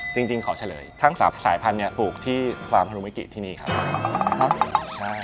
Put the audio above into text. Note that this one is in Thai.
จริงขอเฉลยทั้ง๓สายพันธุ์ปลูกที่ฟาร์มฮารุมิกิที่นี่ครับ